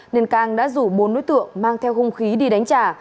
nên cang đã rủ bốn đối tượng mang theo hung khí đi đánh trả